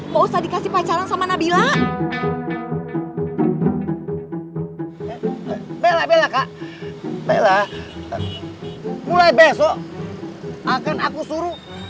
mau usah dikasih pacaran sama nabila bella bella bella bella mulai besok akan aku suruh